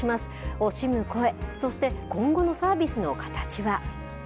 惜しむ声、そして今後のサービスの形は。